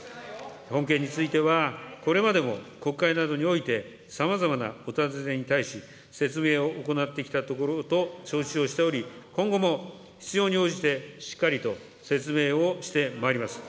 本件についてはこれまでも国会などにおいてさまざまなお尋ねに対し、説明を行ってきたところと承知をしており、今後も必要に応じて、しっかりと説明をしてまいります。